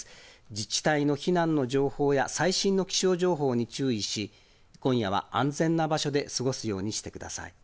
自治体の避難の情報や最新の気象情報に注意し、今夜は、安全な場所で過ごすようにしてください。